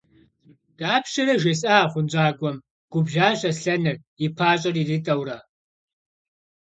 – Дапщэрэ жесӀа а хъунщӀакӀуэм, – губжьащ Аслъэныр, и пащӀэр иритӀэурэ.